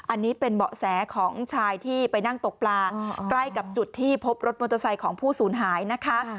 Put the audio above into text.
อันนี้เป็นเบาะแสของชายที่ไปนั่งตกปลาใกล้กับจุดที่พบรถมอเตอร์ไซค์ของผู้สูญหายนะคะ